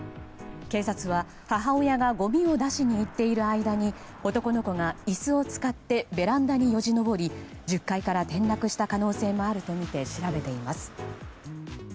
警察は、母親がごみを出しに行っている間に男の子が椅子を使ってベランダによじ登り１０階から転落した可能性もあるとみて調べています。